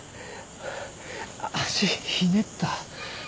足ひねった？